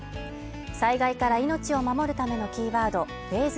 災害から命を守るためのキーワードフェーズ